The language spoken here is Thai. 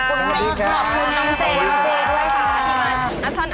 สวัสดีครับขอบคุณน้องเจ๊ด้วยค่ะสวัสดีครับสวัสดีครับ